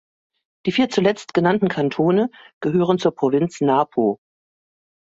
Die vier zuletzt genannten Kantone gehören zur Provinz Napo.